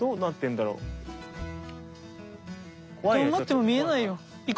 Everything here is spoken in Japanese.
頑張っても見えないよ。